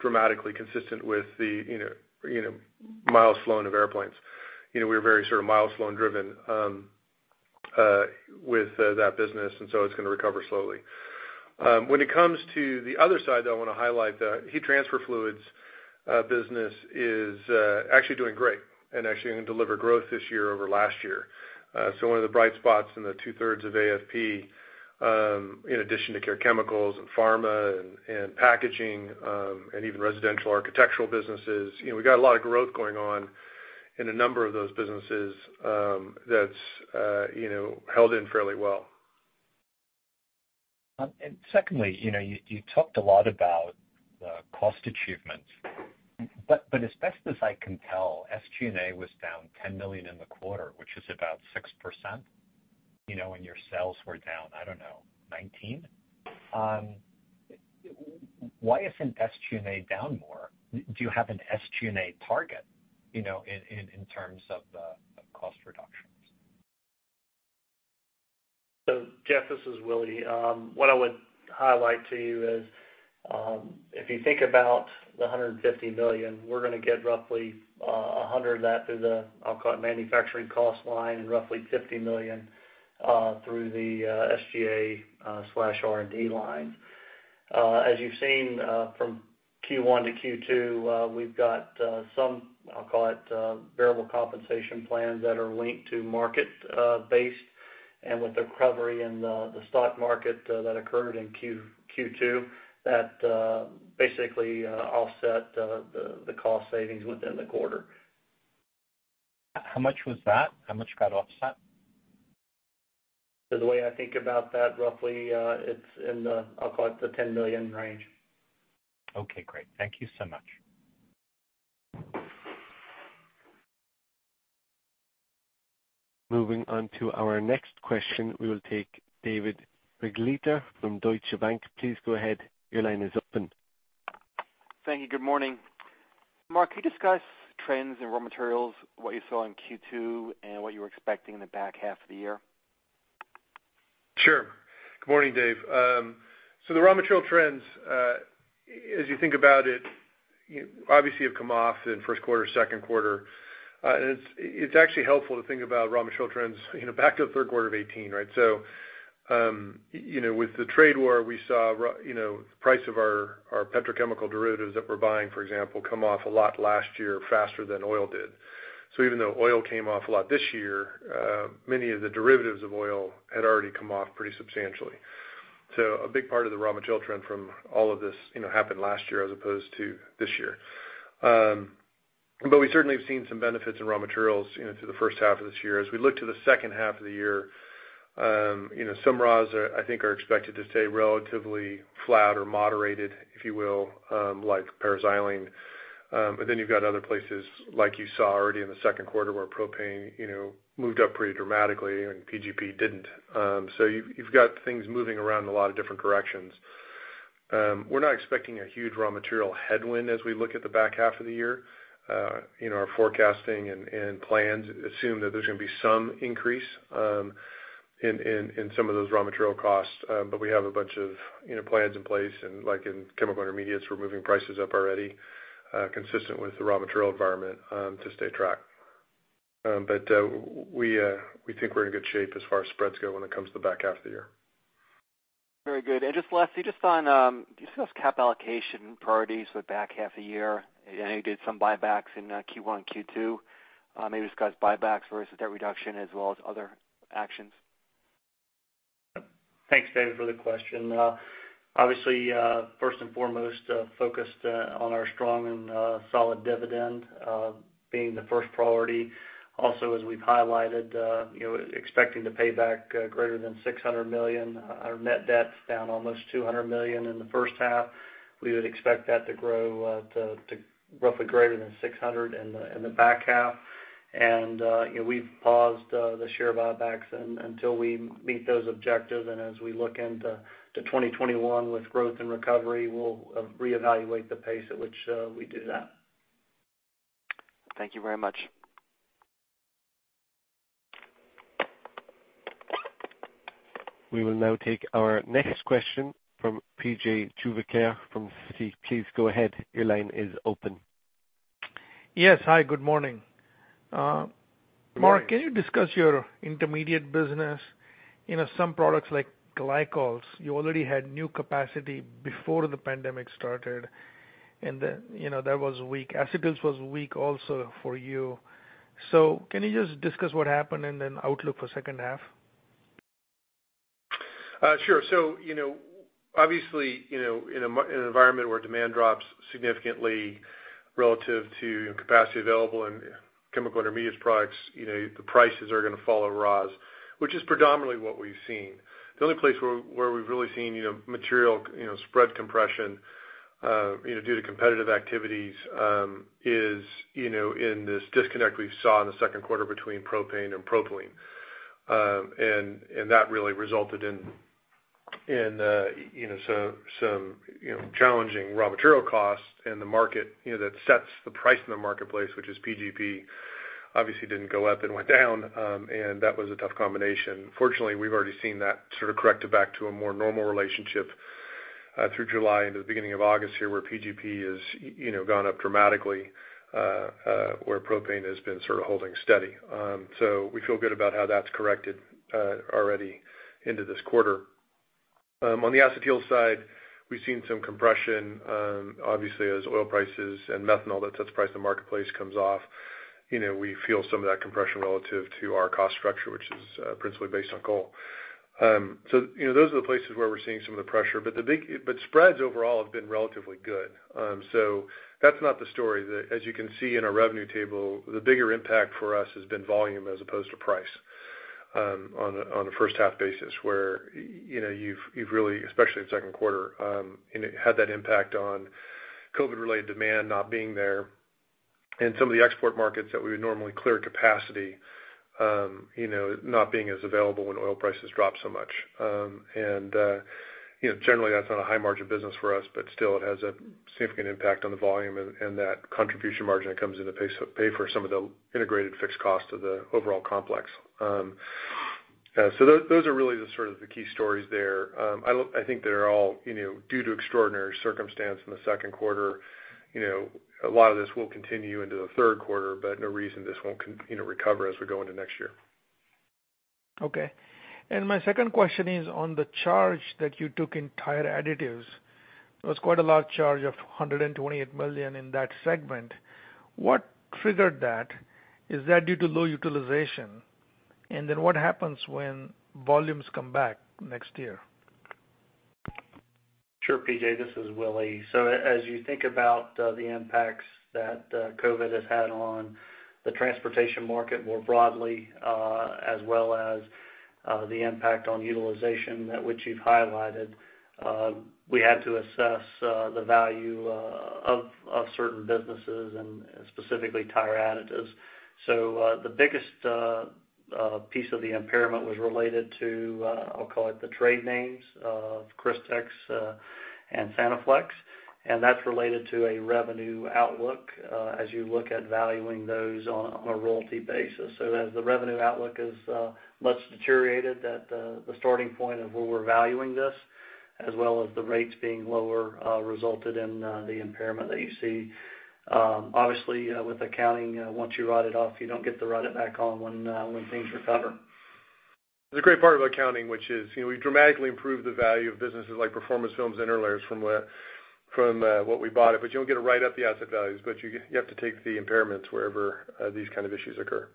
dramatically consistent with the miles flown of airplanes. We're very sort of miles flown driven with that business, it's going to recover slowly. When it comes to the other side, though, I want to highlight the heat transfer fluids business is actually doing great and actually going to deliver growth this year over last year. One of the bright spots in the two-thirds of AFP, in addition to care chemicals and pharma and packaging, and even residential architectural businesses. We've got a lot of growth going on in a number of those businesses that's held in fairly well. Secondly, you talked a lot about the cost achievements, but as best as I can tell, SG&A was down $10 million in the quarter, which is about 6%, when your sales were down, I don't know, 19%? Why isn't SG&A down more? Do you have an SG&A target in terms of cost reductions? Jeff, this is Willie. What I would highlight to you is, if you think about the $150 million, we're going to get roughly $100 million of that through the, I'll call it manufacturing cost line, and roughly $50 million through the SG&A/R&D line. As you've seen from Q1 to Q2, we've got some, I'll call it variable compensation plans that are linked to market-based, and with the recovery in the stock market that occurred in Q2, that basically offset the cost savings within the quarter. How much was that? How much got offset? The way I think about that, roughly, it's in the, I'll call it, the $10 million range. Okay, great. Thank you so much. Moving on to our next question, we will take David Begleiter from Deutsche Bank. Please go ahead. Your line is open. Thank you. Good morning. Mark, can you discuss trends in raw materials, what you saw in Q2, and what you're expecting in the back half of the year? Sure. Good morning, Dave. The raw material trends, as you think about it, obviously have come off in first quarter, second quarter. It's actually helpful to think about raw material trends back to the third quarter of 2018, right? With the trade war, we saw the price of our petrochemical derivatives that we're buying, for example, come off a lot last year, faster than oil did. Even though oil came off a lot this year, many of the derivatives of oil had already come off pretty substantially. A big part of the raw material trend from all of this happened last year as opposed to this year. We certainly have seen some benefits in raw materials through the first half of this year. As we look to the second half of the year, some raws I think are expected to stay relatively flat or moderated, if you will, like paraxylene. You've got other places like you saw already in the second quarter, where propane moved up pretty dramatically and PGP didn't. You've got things moving around in a lot of different directions. We're not expecting a huge raw material headwind as we look at the back half of the year. Our forecasting and plans assume that there's going to be some increase in some of those raw material costs. We have a bunch of plans in place, like in chemical intermediates, we're moving prices up already, consistent with the raw material environment, to stay tracked. We think we're in good shape as far as spreads go when it comes to the back half of the year. Very good. Just lastly, just on cap allocation priorities for the back half of the year. I know you did some buybacks in Q1 and Q2. Maybe just guys buybacks versus debt reduction as well as other actions? Thanks, David, for the question. Obviously, first and foremost, focused on our strong and solid dividend being the first priority. Also, as we've highlighted, expecting to pay back greater than $600 million. Our net debt's down almost $200 million in the first half. We would expect that to grow to roughly greater than $600 in the back half. We've paused the share buybacks until we meet those objectives. As we look into 2021 with growth and recovery, we'll reevaluate the pace at which we do that. Thank you very much. We will now take our next question from P.J. from Citi. Please go ahead. Your line is open. Yes. Hi, good morning. Good morning. Mark, can you discuss your intermediate business? Some products like glycols, you already had new capacity before the pandemic started, and then that was weak. Acetyls was weak also for you. Can you just discuss what happened and then outlook for second half? Sure. Obviously, in an environment where demand drops significantly relative to capacity available and chemical intermediates products, the prices are going to follow raws, which is predominantly what we've seen. The only place where we've really seen material spread compression due to competitive activities is in this disconnect we saw in the second quarter between propane and propylene. That really resulted in some challenging raw material costs, and the market that sets the price in the marketplace, which is PGP, obviously didn't go up and went down. That was a tough combination. Fortunately, we've already seen that sort of correct back to a more normal relationship through July into the beginning of August here, where PGP has gone up dramatically where propane has been sort of holding steady. We feel good about how that's corrected already into this quarter. On the acetyl side, we've seen some compression. Obviously, as oil prices and methanol that sets the price in the marketplace comes off. We feel some of that compression relative to our cost structure, which is principally based on coal. Those are the places where we're seeing some of the pressure. Spreads overall have been relatively good. That's not the story. As you can see in our revenue table, the bigger impact for us has been volume as opposed to price on a first half basis where you've really, especially in the second quarter, had that impact on COVID-related demand not being there and some of the export markets that we would normally clear capacity not being as available when oil prices drop so much. Generally that's not a high margin business for us, but still it has a significant impact on the volume and that contribution margin that comes in to pay for some of the integrated fixed costs of the overall complex. Those are really the sort of the key stories there. I think they're all due to extraordinary circumstance in the second quarter. A lot of this will continue into the third quarter, but no reason this won't recover as we go into next year. Okay. My second question is on the charge that you took in tire additives. It was quite a large charge of $128 million in that segment. What triggered that? Is that due to low utilization? What happens when volumes come back next year? Sure, PJ, this is Willie. As you think about the impacts that COVID has had on the transportation market more broadly as well as the impact on utilization that which you've highlighted, we had to assess the value of certain businesses and specifically tire additives. The biggest piece of the impairment was related to, I'll call it the trade names of Crystex and Santoflex, and that's related to a revenue outlook as you look at valuing those on a royalty basis. As the revenue outlook is much deteriorated at the starting point of where we're valuing this, as well as the rates being lower resulted in the impairment that you see. Obviously, with accounting, once you write it off, you don't get to write it back on when things recover. The great part about accounting, which is we dramatically improved the value of businesses like Performance Films and interlayers from what we bought it, but you don't get to write up the asset values, but you have to take the impairments wherever these kind of issues occur.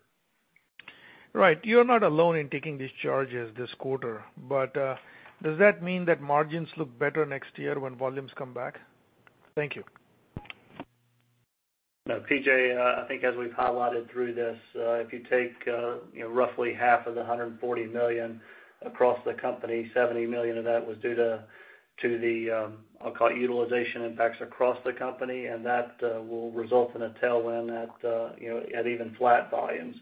Right. You're not alone in taking these charges this quarter. Does that mean that margins look better next year when volumes come back? Thank you. No, P.J., I think as we've highlighted through this if you take roughly half of the $140 million across the company, $70 million of that was due to the, I'll call it utilization impacts across the company, and that will result in a tailwind at even flat volumes.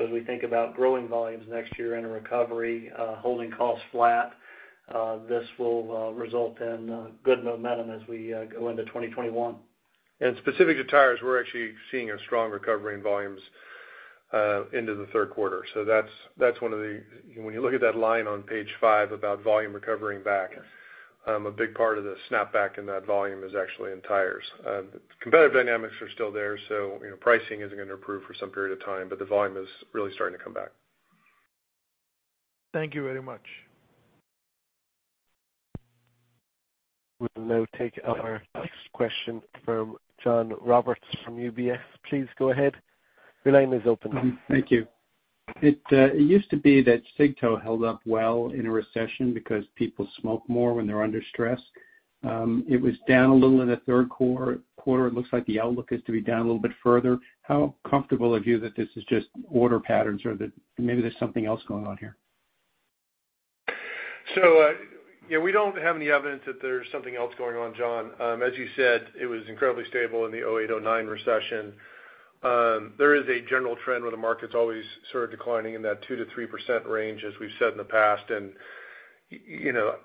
As we think about growing volumes next year in a recovery holding costs flat this will result in good momentum as we go into 2021. Specific to tires, we're actually seeing a strong recovery in volumes into the third quarter. When you look at that line on page five about volume recovering. Yes A big part of the snapback in that volume is actually in tires. Competitive dynamics are still there, so pricing isn't going to improve for some period of time, but the volume is really starting to come back. Thank you very much. We'll now take our next question from John Roberts from UBS. Please go ahead. Your line is open. Thank you. It used to be that acetate tow held up well in a recession because people smoke more when they're under stress. It was down a little in the third quarter. It looks like the outlook is to be down a little bit further. How comfortable are you that this is just order patterns, or that maybe there's something else going on here? We don't have any evidence that there's something else going on, John. As you said, it was incredibly stable in the 2008-2009 recession. There is a general trend where the market's always sort of declining in that 2%-3% range, as we've said in the past.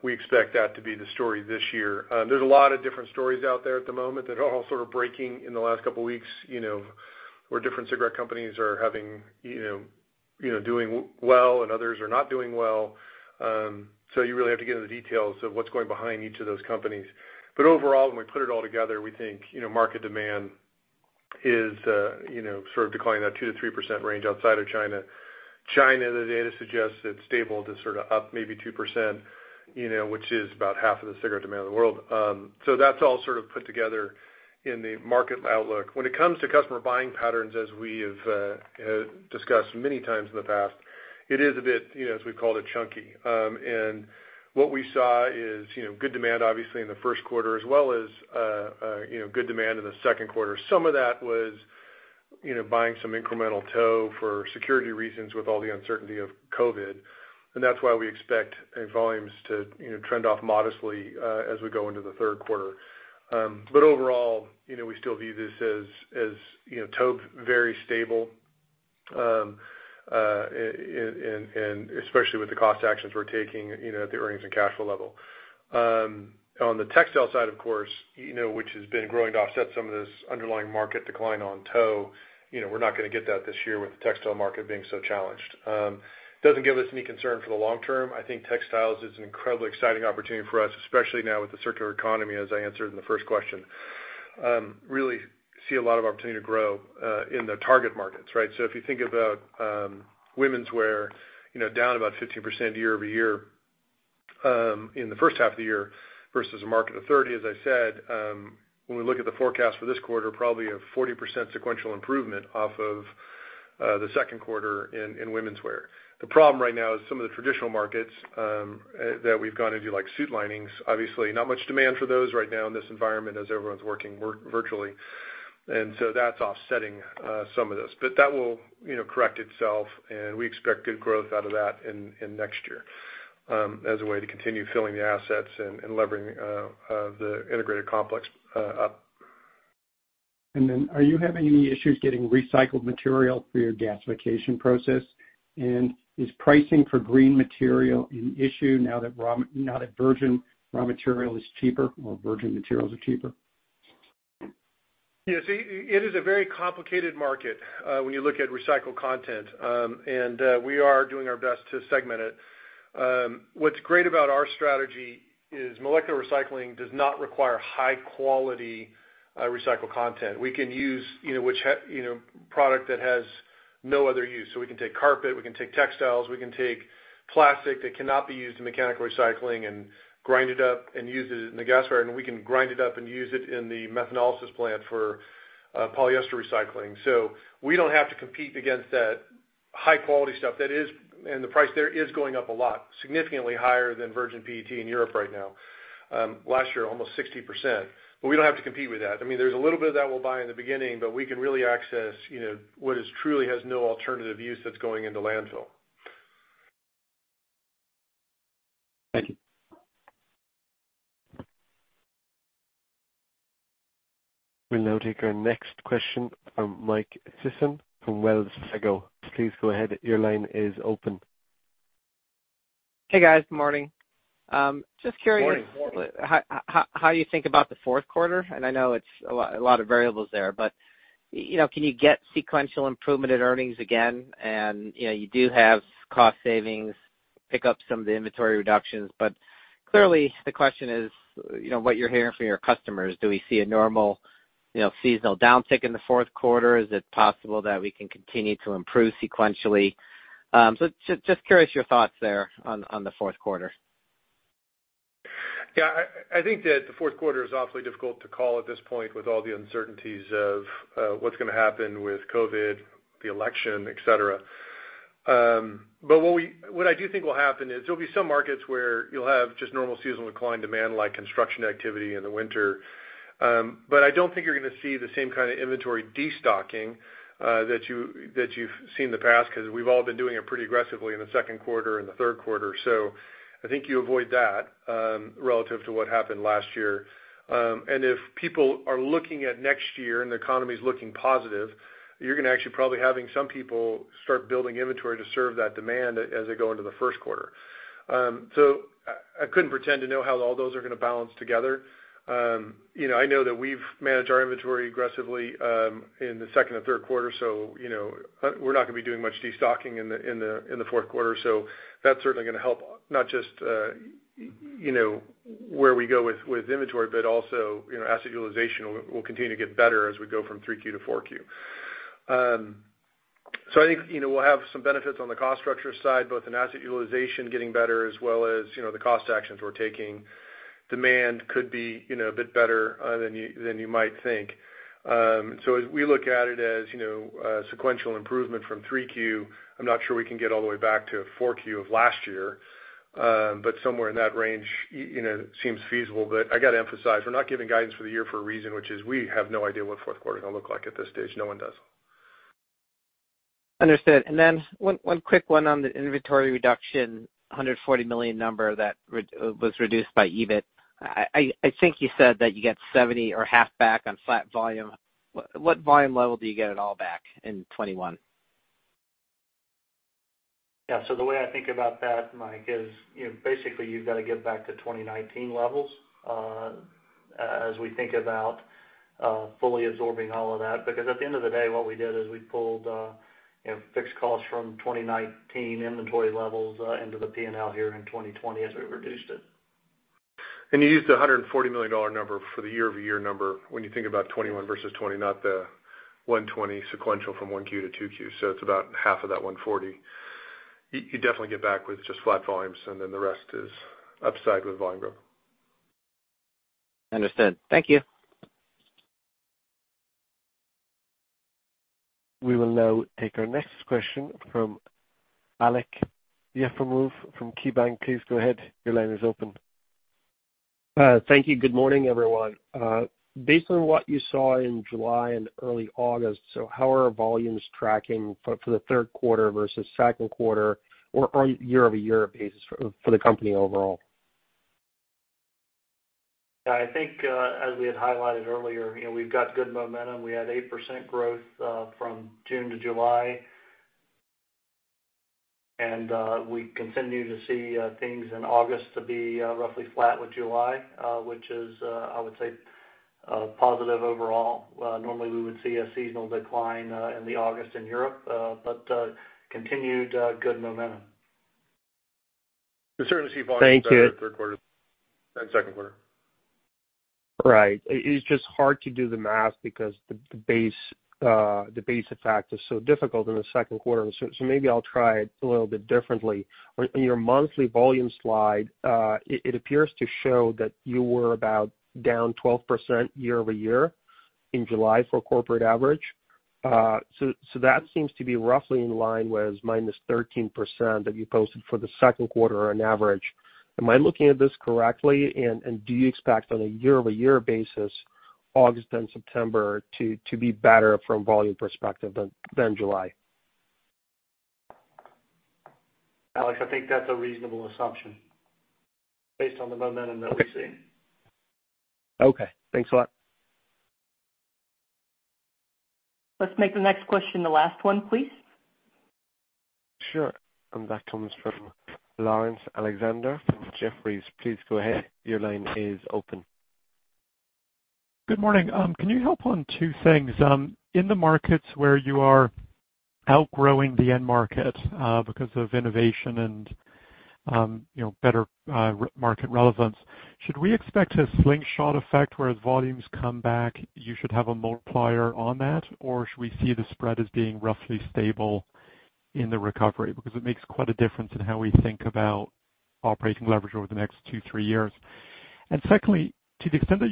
We expect that to be the story this year. There's a lot of different stories out there at the moment that are all sort of breaking in the last couple of weeks, where different cigarette companies are doing well, and others are not doing well. You really have to get into the details of what's going behind each of those companies. Overall, when we put it all together, we think market demand is sort of declining at a 2%-3% range outside of China. China, the data suggests it's stable to sort of up maybe 2%, which is about half of the cigarette demand of the world. That's all sort of put together in the market outlook. When it comes to customer buying patterns, as we have discussed many times in the past, it is a bit, as we've called it, chunky. What we saw is good demand, obviously, in the first quarter, as well as good demand in the second quarter. Some of that was buying some incremental tow for security reasons with all the uncertainty of COVID, and that's why we expect volumes to trend off modestly as we go into the third quarter. Overall, we still view this as tow very stable, and especially with the cost actions we're taking at the earnings and cash flow level. On the textile side, of course, which has been growing to offset some of this underlying market decline on tow, we're not going to get that this year with the textile market being so challenged. It doesn't give us any concern for the long term. I think textiles is an incredibly exciting opportunity for us, especially now with the circular economy, as I answered in the first question. I really see a lot of opportunity to grow in the target markets, right? If you think about womenswear, down about 15% year-over-year in the first half of the year versus a market of 30%, as I said, when we look at the forecast for this quarter, probably a 40% sequential improvement off of the second quarter in womenswear. The problem right now is some of the traditional markets that we've gone into, like suit linings, obviously not much demand for those right now in this environment as everyone's working virtually. That's offsetting some of this. That will correct itself, and we expect good growth out of that in next year as a way to continue filling the assets and levering the integrated complex up. Are you having any issues getting recycled material for your gasification process? Is pricing for green material an issue now that virgin raw material is cheaper, or virgin materials are cheaper? Yes. It is a very complicated market when you look at recycled content, and we are doing our best to segment it. What's great about our strategy is molecular recycling does not require high-quality recycled content. We can use product that has no other use. We can take carpet, we can take textiles, we can take plastic that cannot be used in mechanical recycling and grind it up and use it in the gasifier, and we can grind it up and use it in the methanolysis plant for polyester recycling. We don't have to compete against that high-quality stuff. The price there is going up a lot, significantly higher than virgin PET in Europe right now. Last year, almost 60%. We don't have to compete with that. There's a little bit of that we'll buy in the beginning. We can really access what is truly has no alternative use that's going into landfill. Thank you. We'll now take our next question from Michael Sison from Wells Fargo. Please go ahead. Your line is open. Hey, guys. Good morning. Morning. Just curious how you think about the fourth quarter. I know it's a lot of variables there. Can you get sequential improvement in earnings again? You do have cost savings, pick up some of the inventory reductions. Clearly, the question is, what you're hearing from your customers, do we see a normal seasonal downtick in the fourth quarter? Is it possible that we can continue to improve sequentially? Just curious your thoughts there on the fourth quarter. Yeah. I think that the fourth quarter is awfully difficult to call at this point with all the uncertainties of what's going to happen with COVID, the election, et cetera. What I do think will happen is there'll be some markets where you'll have just normal seasonal decline demand, like construction activity in the winter. I don't think you're going to see the same kind of inventory destocking that you've seen in the past, because we've all been doing it pretty aggressively in the second quarter and the third quarter. I think you avoid that relative to what happened last year. If people are looking at next year and the economy's looking positive, you're going to actually probably having some people start building inventory to serve that demand as they go into the first quarter. I couldn't pretend to know how all those are going to balance together. I know that we've managed our inventory aggressively in the second or third quarter. We're not going to be doing much de-stocking in the fourth quarter. That's certainly going to help, not just where we go with inventory, but also asset utilization will continue to get better as we go from three Q to four Q. I think we'll have some benefits on the cost structure side, both in asset utilization getting better, as well as the cost actions we're taking. Demand could be a bit better than you might think. As we look at it as a sequential improvement from three Q, I'm not sure we can get all the way back to four Q of last year. Somewhere in that range seems feasible. I got to emphasize, we're not giving guidance for the year for a reason, which is we have no idea what fourth quarter is going to look like at this stage. No one does. Understood. One quick one on the inventory reduction, $140 million number that was reduced by EBIT. I think you said that you get $70 or half back on flat volume. What volume level do you get it all back in 2021? The way I think about that, Mike, is basically you've got to get back to 2019 levels, as we think about fully absorbing all of that. At the end of the day, what we did is we pulled fixed costs from 2019 inventory levels into the P&L here in 2020 as we reduced it. You used the $140 million number for the year-over-year number when you think about 2021 versus 2020, not the $120 sequential from one Q to two Q. It's about half of that $140. You definitely get back with just flat volumes, and then the rest is upside with volume growth. Understood. Thank you. We will now take our next question from Aleksey Yefremov from KeyBank. Please go ahead. Your line is open. Thank you. Good morning, everyone. Based on what you saw in July and early August, how are volumes tracking for the third quarter versus second quarter or on year-over-year basis for the company overall? I think, as we had highlighted earlier, we've got good momentum. We had 8% growth from June to July. We continue to see things in August to be roughly flat with July, which is, I would say, positive overall. Normally, we would see a seasonal decline in the August in Europe, but continued good momentum. You certainly see volumes Thank you. better third quarter than second quarter. Right. It's just hard to do the math because the base effect is so difficult in the second quarter. Maybe I'll try it a little bit differently. On your monthly volume slide, it appears to show that you were about down 12% year-over-year in July for corporate average. That seems to be roughly in line with minus 13% that you posted for the second quarter on average. Am I looking at this correctly? Do you expect on a year-over-year basis, August and September to be better from volume perspective than July? Alex, I think that's a reasonable assumption based on the momentum that we're seeing. Okay. Thanks a lot. Let's make the next question the last one, please. Sure. That comes from Laurence Alexander from Jefferies. Please go ahead. Your line is open. Good morning. Can you help on two things? In the markets where you are outgrowing the end market because of innovation and better market relevance, should we expect a slingshot effect where as volumes come back, you should have a multiplier on that? Or should we see the spread as being roughly stable in the recovery? It makes quite a difference in how we think about operating leverage over the next two, three years. Secondly, to the extent that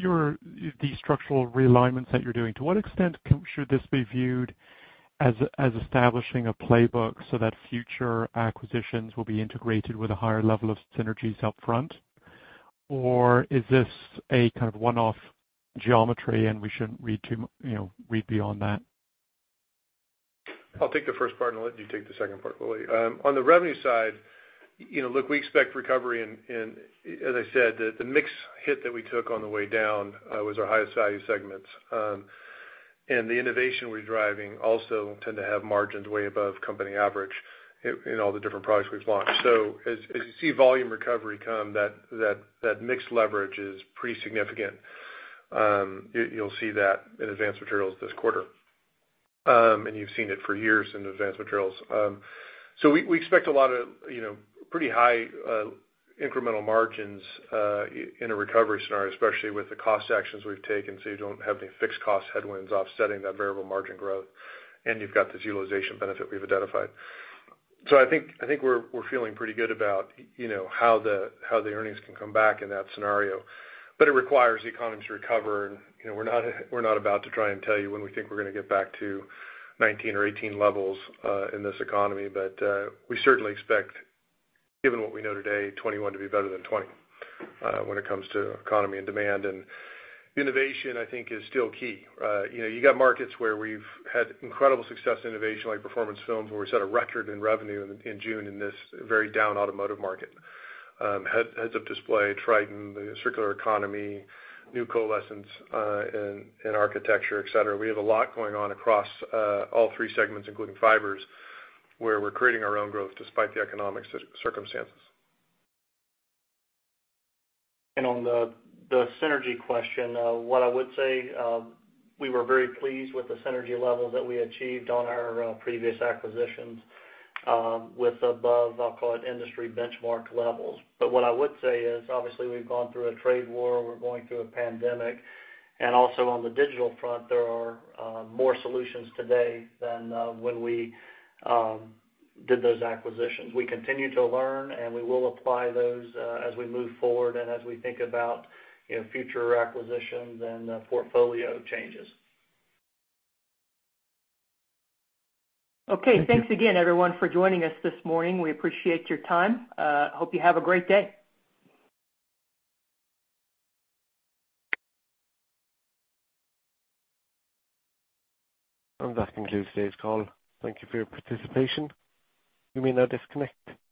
the structural realignments that you're doing, to what extent should this be viewed as establishing a playbook so that future acquisitions will be integrated with a higher level of synergies up front? Or is this a kind of one-off geometry and we shouldn't read beyond that? I'll take the first part and let you take the second part, Willie. On the revenue side, look, we expect recovery in, as I said, the mix hit that we took on the way down was our highest value segments. The innovation we're driving also tend to have margins way above company average in all the different products we've launched. As you see volume recovery come, that mix leverage is pretty significant. You'll see that in Advanced Materials this quarter. You've seen it for years in Advanced Materials. We expect a lot of pretty high incremental margins in a recovery scenario, especially with the cost actions we've taken, so you don't have any fixed cost headwinds offsetting that variable margin growth. You've got this utilization benefit we've identified. I think we're feeling pretty good about how the earnings can come back in that scenario. It requires the economy to recover, and we're not about to try and tell you when we think we're going to get back to 2019 or 2018 levels in this economy. We certainly expect, given what we know today, 2021 to be better than 2020 when it comes to economy and demand. Innovation, I think, is still key. You got markets where we've had incredible success innovation, like Performance Films, where we set a record in revenue in June in this very down automotive market. heads-up display, Tritan, the circular economy, new coalescents in architecture, et cetera. We have a lot going on across all three segments, including fibers, where we're creating our own growth despite the economic circumstances. On the synergy question, what I would say, we were very pleased with the synergy level that we achieved on our previous acquisitions, with above, I'll call it, industry benchmark levels. What I would say is, obviously, we've gone through a trade war, we're going through a pandemic, and also on the digital front, there are more solutions today than when we did those acquisitions. We continue to learn, and we will apply those as we move forward and as we think about future acquisitions and portfolio changes. Okay. Thank you. Thanks again, everyone, for joining us this morning. We appreciate your time. Hope you have a great day. That concludes today's call. Thank you for your participation. You may now disconnect.